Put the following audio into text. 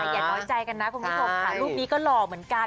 อย่าโน้ยใจกันนะคุณพี่สมกันลูกนี้ก็หล่อเหมือนกัน